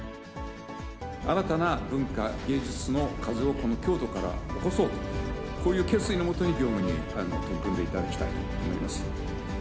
新たな文化、芸術の風を、この京都から起こそうと、こういう決意のもとに業務に取り組んでいただきたいと思います。